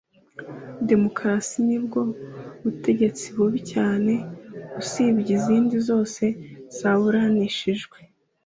Demokarasi ni bwo butegetsi bubi cyane usibye izindi zose zaburanishijwe